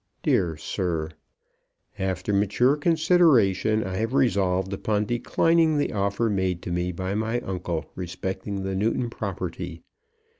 DEAR SIR, After mature consideration I have resolved upon declining the offer made to me by my uncle respecting the Newton property.